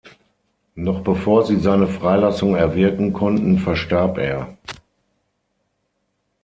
Noch bevor sie seine Freilassung erwirken konnten, verstarb er.